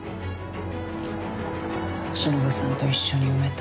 しのぶさんと一緒に埋めた。